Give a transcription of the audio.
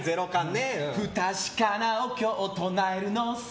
不確かなお経唱えるのさ。